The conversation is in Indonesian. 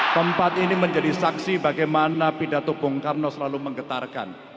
tempat ini menjadi saksi bagaimana pidato pungkarno selalu menggetarkan